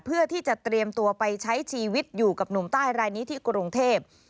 เพื่อที่จะเตรียมตัวไปใช้ชีวิตอยู่กับหนุ่มใต้รายนี้ที่กรุงเทพ